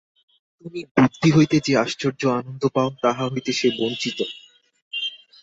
তুমি বুদ্ধি হইতে যে আশ্চর্য আনন্দ পাও, তাহা হইতে সে বঞ্চিত।